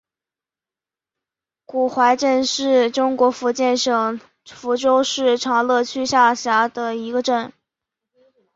古槐镇是中国福建省福州市长乐区下辖的一个镇。